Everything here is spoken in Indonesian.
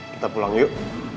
kita pulang yuk